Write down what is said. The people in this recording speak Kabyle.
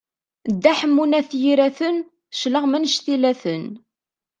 Dda Ḥemmu n At Yiraten, claɣem annect ila-ten!